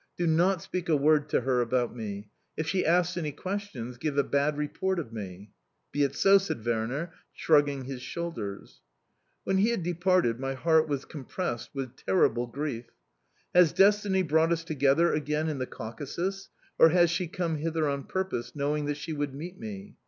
Do not speak a word to her about me; if she asks any questions, give a bad report of me." "Be it so!" said Werner, shrugging his shoulders. When he had departed, my heart was compressed with terrible grief. Has destiny brought us together again in the Caucasus, or has she come hither on purpose, knowing that she would meet me?...